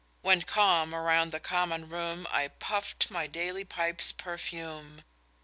When calm around the Common Room I puff'd my daily pipe's perfume!